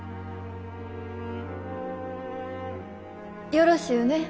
よろしゅうね。